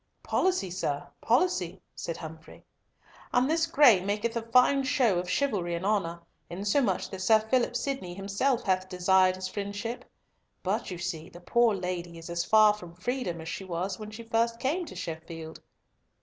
"Policy, sir, policy," said Humfrey. "And this Gray maketh a fine show of chivalry and honour, insomuch that Sir Philip Sidney himself hath desired his friendship; but, you see, the poor lady is as far from freedom as she was when first she came to Sheffield."